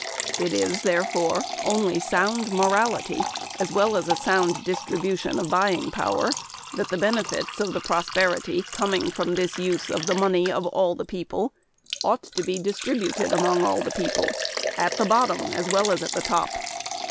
It is, therefore, only sound morality, as well as a sound distribution of buying power, that the benefits of the prosperity coming from this use of the money of all the people ought to be distributed among all the people at the bottom as well as at the top.